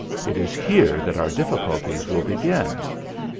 It is here that our difficulties will begin."